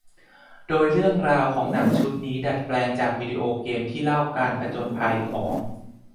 โดยเรื่องราวของหนังชุดนี้ดัดแปลงจากวิดีโอเกมที่เล่าการผจญภัยของ